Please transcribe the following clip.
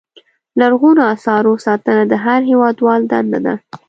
لرغونو اثارو ساتنه د هر هېوادوال دنده ده.